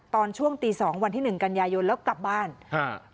ตอนช่วงตีสองวันที่หนึ่งกันยายนแล้วกลับบ้านอ่า